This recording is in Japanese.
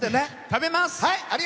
食べます！